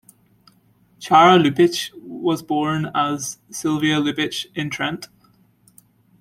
Chiara Lubich was born as Silvia Lubich in Trent.